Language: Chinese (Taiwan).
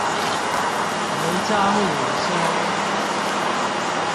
違章女生